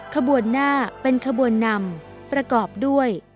ขบวนหน้าเป็นขบวนนำประกอบด้วย